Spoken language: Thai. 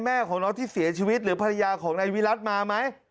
แม่ของน้องที่เสียชีวิตหรือภรรยาของนายวิรัติมาไหม